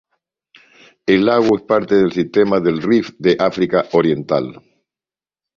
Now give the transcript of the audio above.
El lago es parte del sistema del Rift de África Oriental.